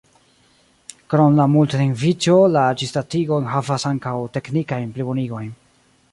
Krom la multlingviĝo la ĝisdatigo enhavas ankaŭ teknikajn plibonigojn.